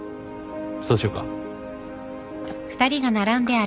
そうしようか。